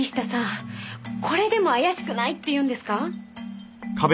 これでも怪しくないって言うんですか？